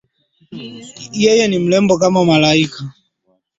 Yeye ni mrembo kama malaika